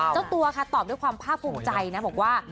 เจ้าตัวค่ะตอบด้วยความภาคภูมิใจนะบอกว่า